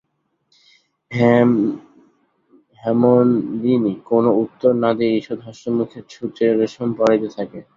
হেমনলিনী কোনো উত্তর না দিয়া ঈষৎ হাস্যমুখে ছুঁচে রেশম পরাইতে থাকে।